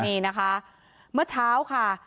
นี่นะคะเมื่อเช้าค่ะ